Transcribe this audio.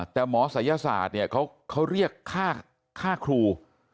แต่หมอศัยศาสตร์เนี่ยเขาเรียกค่าครู